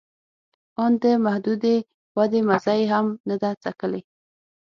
آن د محدودې ودې مزه یې هم نه ده څکلې